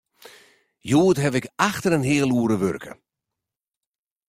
Hjoed haw ik acht en in heal oere wurke.